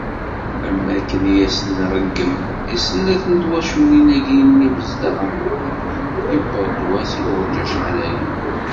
Am wakken i asen-nṛeggem i snat n twaculin-agi d yimezdaɣ-nneɣ, yewweḍ-d wass i nurǧa acḥal-aya.